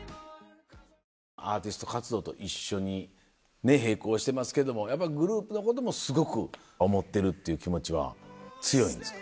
アーティスト活動と一緒に並行してますけどもやっぱグループのこともすごく思ってるっていう気持ちは強いんですか？